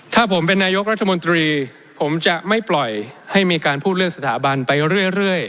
ถ้าผมเป็นนายกรัฐมนตรีผมจะไม่ปล่อยให้มีการพูดเรื่องสถาบันไปเรื่อย